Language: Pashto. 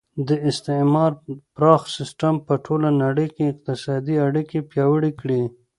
د استعمار پراخه سیسټم په ټوله نړۍ کې اقتصادي اړیکې پیاوړې کړې